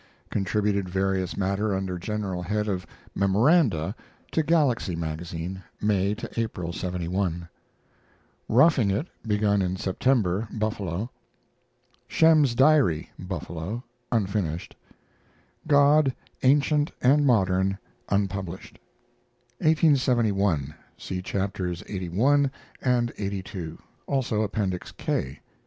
Contributed various matter under general head of "MEMORANDA" to Galaxy Magazine, May to April, '71. ROUGHING IT begun in September (Buffalo). SHEM'S DIARY (Buffalo) (unfinished). GOD, ANCIENT AND MODERN (unpublished). 1871. (See Chapters lxxxi and lxxxii; also Appendix K.)